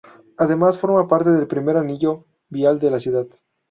Además, forma parte del primer anillo vial de la ciudad.